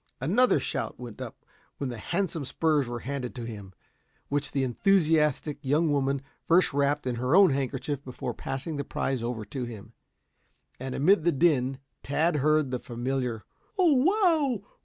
Another shout went up when the handsome spurs were handed to him, which the enthusiastic young woman first wrapped in her own handkerchief before passing the prize over to him. And amid the din, Tad heard the familiar "Oh, Wow!